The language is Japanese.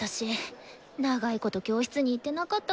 長いこと教室に行ってなかったからかなぁ？